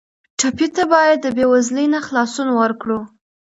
ټپي ته باید د بېوزلۍ نه خلاصون ورکړو.